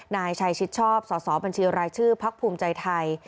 นายชัยชิดชอบสอสอบัญชีรายชื่อพักภูมิใจไทย